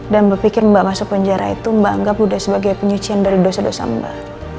dan mbak pikir mbak masuk penjara itu mbak anggap udah sebagai penyucian dari dosa dosa mbak